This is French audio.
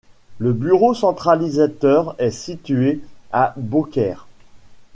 Le bureau centralisateur est situé à Beaucaire.